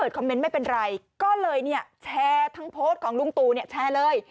แชร์ทั้งโปรดของลูงตูแชร์เลย